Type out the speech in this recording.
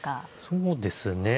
そうですね。